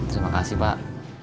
terima kasih pak